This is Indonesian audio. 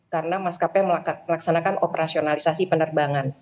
karena mas k p melaksanakan operasionalisasi penerbangan